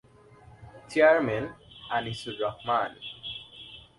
chairman- Anisur Rahman